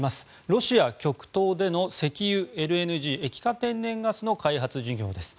ロシア極東での石油、ＬＮＧ・液化天然ガスの開発事業です。